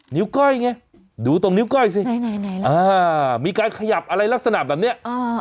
้วก้อยไงดูตรงนิ้วก้อยสิมีการขยับอะไรลักษณะแบบนี้